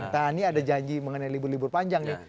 tahan nih ada janji mengenai libur libur panjang nih